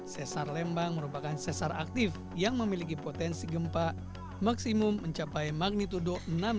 sesar lembang merupakan sesar aktif yang memiliki potensi gempa maksimum mencapai magnitudo enam satu